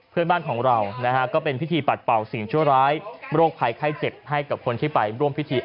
เพื่อนบ้านของเรานะฮะก็เป็นพิธีปัดเป่าสิ่งชั่วร้ายโรคภัยไข้เจ็บให้กับคนที่ไปร่วมพิธี